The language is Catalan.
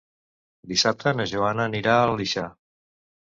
Dissabte na Joana anirà a l'Aleixar.